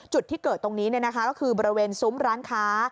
จุดที่เกิดตรงนี้ก็คือบริเวณซุ้มร้านค้า